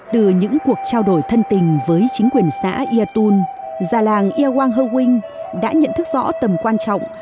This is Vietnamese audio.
từ những cuộc trao đổi thân tình với chính quyền xã yatun gia làng yawang hau wing đã nhận thức rõ tầm quan trọng